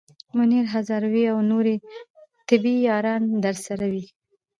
منیر هزاروی او نورې طبې یاران درسره وي.